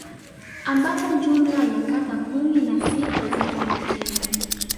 Ambapo jumla ya kata kumi na sita ziko mjini